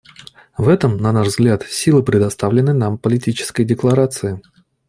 В этом, на наш взгляд, сила представленной нам Политической декларации.